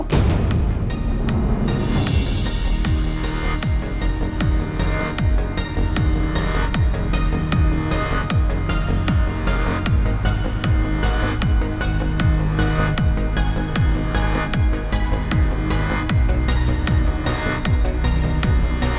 kamu selesain draft kontrak itu sekarang